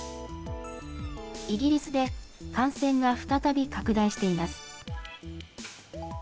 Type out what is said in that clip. イギリスで感染が再び拡大しています。